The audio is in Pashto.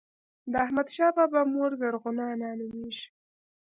د احمدشاه بابا مور زرغونه انا نوميږي.